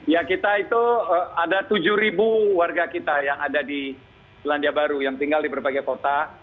ya kita itu ada tujuh warga kita yang ada di selandia baru yang tinggal di berbagai kota